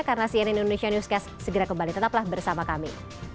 karena cnn indonesia newscast segera kembali tetaplah bersama kami